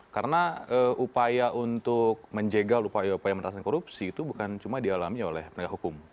karena upaya untuk menjaga upaya upaya meratasan korupsi itu bukan cuma dialami oleh penegak hukum